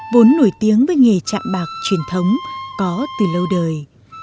vốn nổi tiếng với nghề chạm bạc truyền thống có từ lâu đời